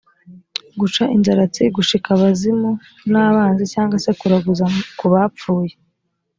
guca inzaratsi, gushika abazimu n’abanzi, cyangwa se kuraguza ku bapfuye.